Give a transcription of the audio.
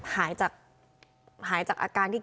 หายจากหายจากอาการที่